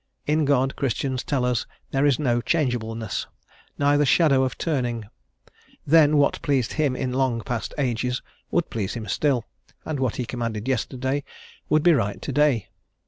In God, Christians tell us there is no changeableness, neither shadow of turning; then what pleased him in long past ages would please him still, and what he commanded yesterday would be right to day.